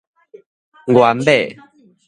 原碼